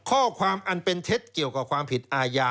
ข้อความอันเป็นเท็จเกี่ยวกับความผิดอาญา